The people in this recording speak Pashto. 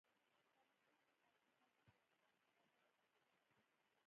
فریدګل کتابچه واخیسته او د هغه رنګ بدل شو